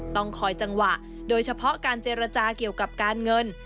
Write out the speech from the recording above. ต้องคอยจังหวะโดยเฉพาะการเจรจาเกี่ยวกับการเงิน